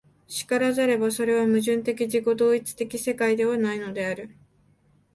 然らざれば、それは矛盾的自己同一的世界ではないのである。